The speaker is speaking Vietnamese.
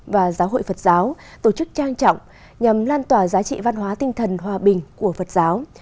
và giáo hội phật giáo tổ chức trang trọng nhằm lan tỏa giá trị văn hóa tinh thần hòa bình của phật giáo